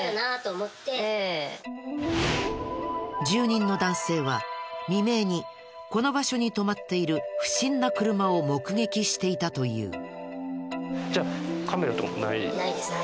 住人の男性は未明にこの場所に止まっている不審な車を目撃していたという。